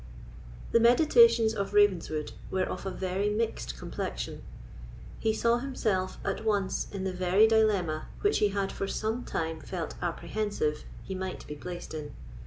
The meditations of Ravenswood were of a very mixed complexion. He saw himself at once in the very dilemma which he had for some time felt apprehensive he might be placed in.